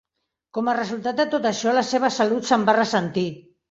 Com a resultat de tot això, la seva salut se'n va ressentir.